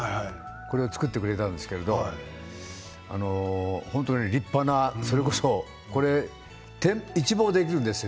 これを作ってくれたんですけど本当に立派なそれこそ、これ一望できるんですよ